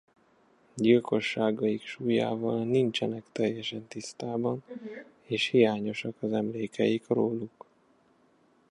Gyilkosságaik súlyával nincsenek teljesen tisztában és hiányosak az emlékeik róluk.